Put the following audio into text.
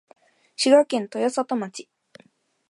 滋賀県豊郷町